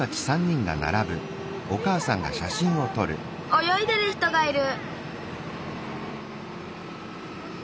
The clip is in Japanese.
およいでる人がいる。